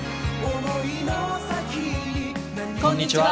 こんにちは。